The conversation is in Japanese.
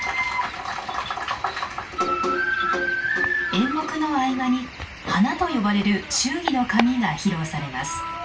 演目の合間に「花」と呼ばれる祝儀の紙が披露されます。